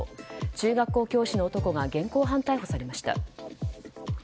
中学校教師の男が現行犯逮捕されました。